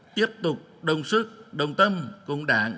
tiếp tục đồng sức đồng tâm cùng đảng